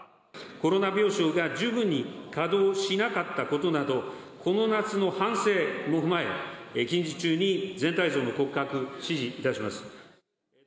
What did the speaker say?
コロナ病床が十分に稼働しなかったことなど、この夏の反省も踏まえ、近日中に全体像の骨格、指示いたします。